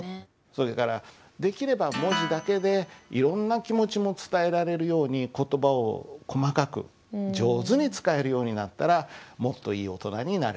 それからできれば文字だけでいろんな気持ちも伝えられるように言葉を細かく上手に使えるようになったらもっといい大人になれると。